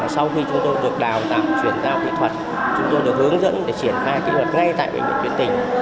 sau khi chúng tôi được đào tạo chuyển giao kỹ thuật chúng tôi được hướng dẫn để triển khai kỹ thuật ngay tại bệnh viện tỉnh